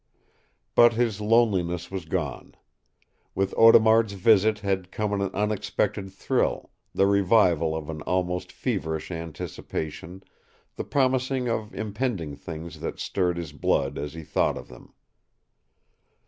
But his loneliness was gone. With Audemard's visit had come an unexpected thrill, the revival of an almost feverish anticipation, the promise of impending things that stirred his blood as he thought of them.